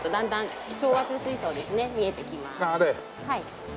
はい。